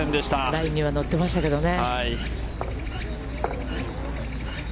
ラインには乗ってましたけどね。